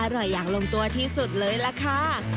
อย่างลงตัวที่สุดเลยล่ะค่ะ